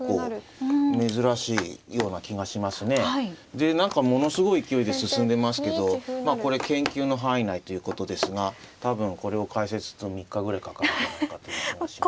で何かものすごい勢いで進んでますけどこれ研究の範囲内ということですが多分これを解説すると３日ぐらいかかるんじゃないかという気がしますね。